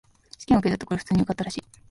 試験を受けたところ、普通に受かったらしい。